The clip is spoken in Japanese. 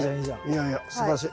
いやいやすばらしい。